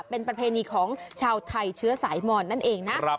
เป็นประเพณีของชาวไทยเชื้อสายมอนนั่นเองนะ